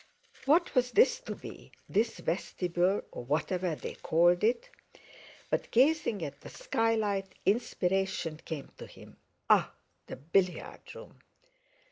What was this to be—this vestibule, or whatever they called it? But gazing at the skylight, inspiration came to him. "Ah! the billiard room!"